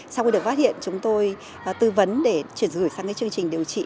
sau khi được phát hiện chúng tôi tư vấn để chuyển gửi sang chương trình điều trị